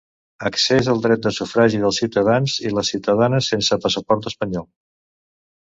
Accés al dret de sufragi dels ciutadans i les ciutadanes sense passaport espanyol.